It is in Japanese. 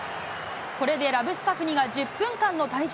これでラブスカフニが１０分間の退場。